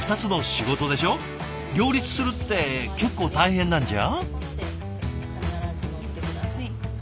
両立するって結構大変なんじゃ？